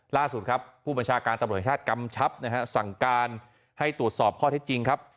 ล่าสุดครับผู้บัญชาการตำรวจชาติกำชับนะฮะสั่งการให้ตรวจสอบข้อเท็จจริงครับ